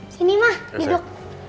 sini ma duduk